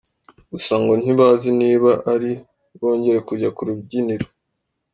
Gusa ngo ntibazi niba ari bwongere kujya kurubyiniro.